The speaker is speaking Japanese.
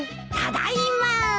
ただいま。